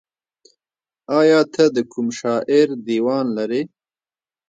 ایا ته د کوم شاعر دیوان لرې؟